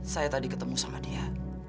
saya tadi ketemu sama dia